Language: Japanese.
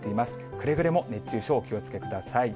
くれぐれも熱中症、お気をつけください。